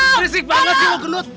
berisik banget sih lo gendut